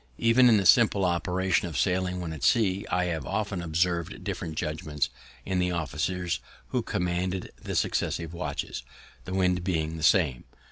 Even in the simple operation of sailing when at sea, I have often observ'd different judgments in the officers who commanded the successive watches, the wind being the same.